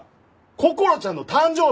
こころちゃんの誕生日！